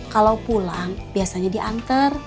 kalau pulang biasanya diantar